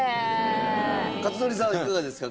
克典さんはいかがですか？